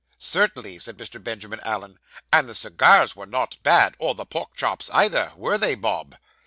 'Certainly,' said Mr. Benjamin Allen; 'and the cigars were not bad, or the pork chops either; were they, Bob?